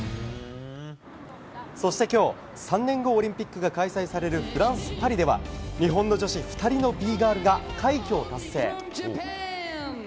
そして今日、３年後オリンピックが開催されるフランスパリでは日本の女子２人のＢガールが快挙を達成。